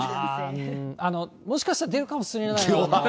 あー、もしかしたら出るかもしれない。